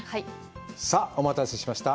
さあ、お待たせしました。